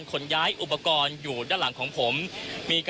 คุณทัศนาควดทองเลยค่ะ